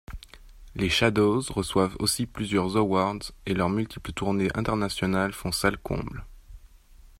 Les Shadows reçoivent aussi plusieurs awards et leurs multiples tournées internationales font salle comble.